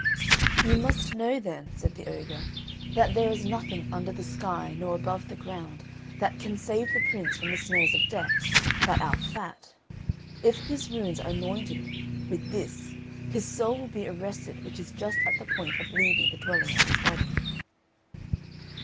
"You must know then," said the ogre, "that there is nothing under the sky nor above the ground that can save the Prince from the snares of death, but our fat. If his wounds are anointed with this his soul will be arrested which is just at the point of leaving the dwelling of his body."